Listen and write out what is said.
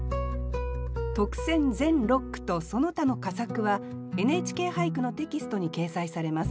特選全六句とその他の佳作は「ＮＨＫ俳句」のテキストに掲載されます。